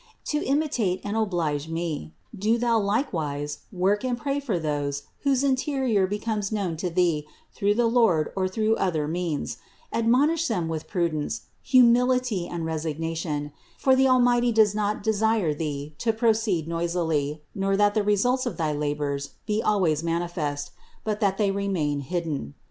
To imitate and oblige me, do thou likewise work and pray for those whose interior becomes known to thee through the Lord or through other means; admonish them with prudence, humility and resignation; for the Almighty does not desire thee to proceed noisily, nor that the results of thy labors be always manifest, but that they remain hidden.